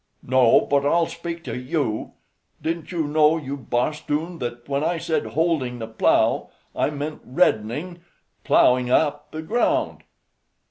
"No, but I'll speak to you. Didn't you know, you bosthoon, that when I said 'holding the plow,' I meant reddening [plowing up] the ground?"